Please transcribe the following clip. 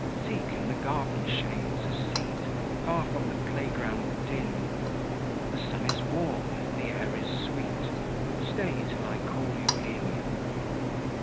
"Seek in the garden shades a seat, Far from the play ground din; The sun is warm, the air is sweet: Stay till I call you in."